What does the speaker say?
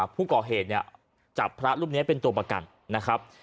ผู้ก่อเหตุเนี่ยจับพระรูปนี้เป็นตัวประกันนะครับ